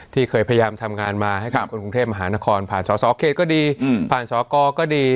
ที่เคยพยายามทำงานมาให้กับคนกรุงเทพมหานครผ่านสอสอเขตก็ดีผ่านสอกรก็ดี